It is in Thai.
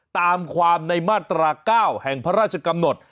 ตามความในมาตรา๙แห่งพระราชกำหนด